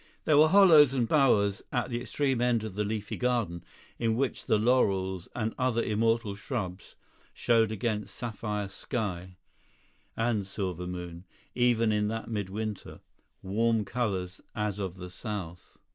There were hollows and bowers at the extreme end of that leafy garden, in which the laurels and other immortal shrubs showed against sapphire sky and silver moon, even in that midwinter, warm colours as of the south.